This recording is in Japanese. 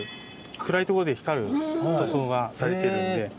暗い所で光る塗装がされてるので。